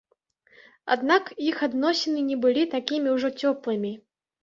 Аднак іх адносіны не былі такімі ўжо цёплымі.